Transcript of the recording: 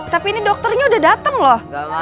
tapi ini dokternya udah datang loh